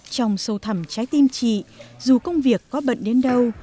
trong sâu thẩm trái tim chị dù công việc có bận đến đâu